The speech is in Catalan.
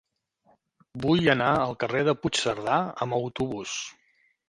Vull anar al carrer de Puigcerdà amb autobús.